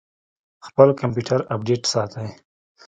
خپل کمپیوټر اپډیټ ساتئ؟